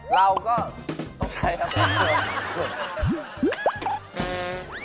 เราก็ต้องใช้ครับ